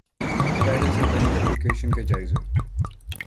پہلے سے بنی ایپلی کیشنز کے جائزے